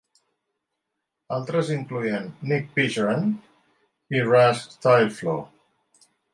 Altres incloïen "Nick Pigiron" i "Russ Tilefloor.